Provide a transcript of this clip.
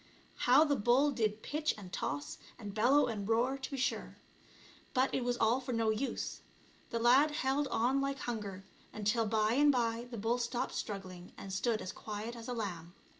How the bull did pitch and toss, and bellow and roar, to be sure, but it was all for no use, the lad held on like hunger, until by and by the bull stopped struggling and stood as quiet as a lamb.